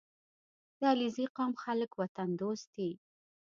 • د علیزي قوم خلک وطن دوست دي.